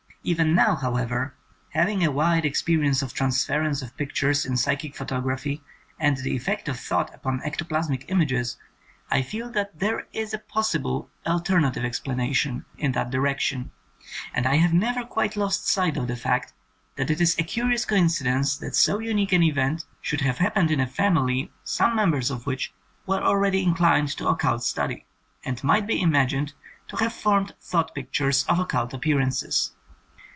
Even now, however, hav ing a wide experience of transference of l^ictures in psychic photography and the effect of thought upon ectoplasmic images, I feel that there is a possible alternative ex planation in this direction, and I have never quite lost sight of the fact that it is a curious coincidence that so unique an event should have happened in a family some members of which were already inclined to occult study, and might be imagined to have formed thought pictures of occult appearances.